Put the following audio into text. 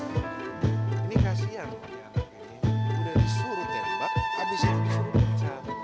ini kasian ini anak anak ini udah disuruh tembak abis itu disuruh richard